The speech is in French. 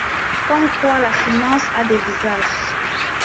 Comme quoi, la finance a des visages.